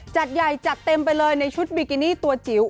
จัดใหญ่จัดเต็มไปเลยในชุดบิกินี่ตัวจิ๋ว